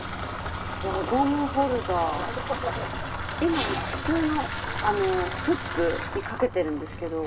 今普通のフックにかけてるんですけど。